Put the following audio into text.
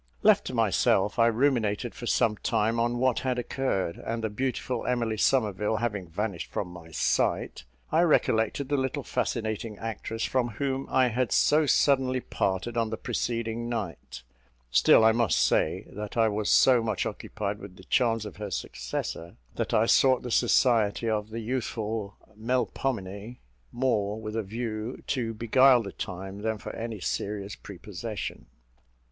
Left to myself, I ruminated for some time on what had occurred; and the beautiful Emily Somerville having vanished from my sight, I recollected the little fascinating actress from whom I had so suddenly parted on the preceding night; still I must say, that I was so much occupied with the charms of her successor, that I sought the society of the youthful Melpomene more with a view to beguile the time, than from any serious prepossession.